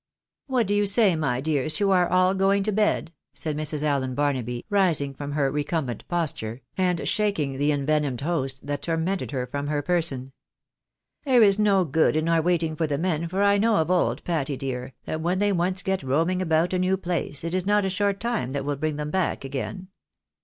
" What do you gay, my dears, to our all going to bed ?" said. Mrs. Allen JBaruaby, rising from her recumbent posture, and. shaking the envenomed host that tormented her from her person,. " There is no good in our waiting for the men, for I know of old^. Patty, dear, that when they once get roaming about a new place^ it is not a short time that will bring them back again."